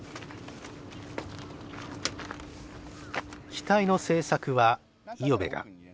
機体の製作は五百部が。